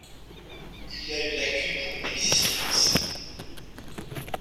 Il y a une lacune dans mon existence !